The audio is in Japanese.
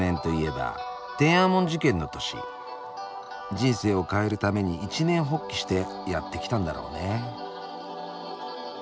人生を変えるために一念発起してやってきたんだろうね。